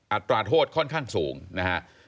อัตราโทษค่อนข้างสูงนะฮะ